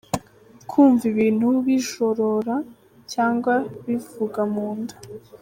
Kumva ibintu bijorora cyangwa bivuga munda.